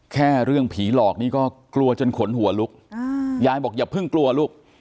แค่เรื่องผีหลอกนี่ก็กลัวจนขนหัวลุกยายบอกอย่าเพิ่งกลัวลูก